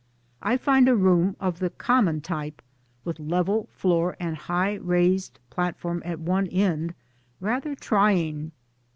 I find a room (of the common type) with level floor and high raised platform at one end rather trying.